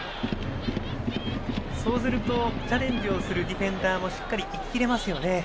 そうするとチャレンジをするディフェンダーもしっかりと行ききれますよね。